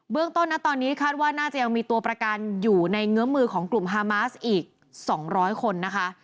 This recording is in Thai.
ต้นนะตอนนี้คาดว่าน่าจะยังมีตัวประกันอยู่ในเงื้อมือของกลุ่มฮามาสอีก๒๐๐คนนะคะ